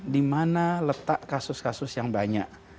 di mana letak kasus kasus yang banyak